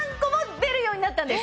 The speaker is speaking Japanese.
出るようになったんです！